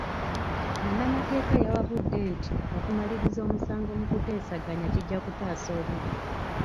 Munnamateeka yawabudde nti okumaliriza omusango mu kuteesaganya kijja kutaasa obudde.